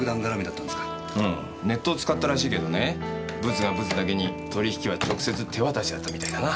うんネットを使ったらしいけどねブツがブツだけに取り引きは直接手渡しだったみたいだな。